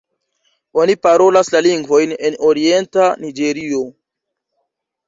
Oni parolas la lingvojn en orienta Niĝerio.